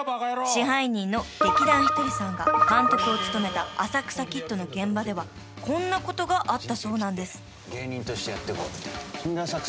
［支配人の劇団ひとりさんが監督を務めた『浅草キッド』の現場ではこんなことがあったそうなんです］